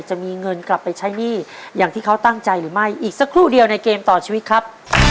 จะมีเงินกลับไปใช้หนี้อย่างที่เขาตั้งใจหรือไม่อีกสักครู่เดียวในเกมต่อชีวิตครับ